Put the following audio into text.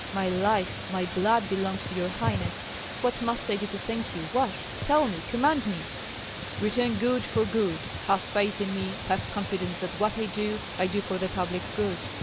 My life, my blood belongs to your highness. What must I do to thank you, what? Tell me, command me!" "Return good for good. Have faith in me, have confidence that what I do I do for the public good.